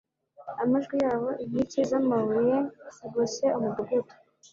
amajwi yabo inkike z amabuye zigose umudugudu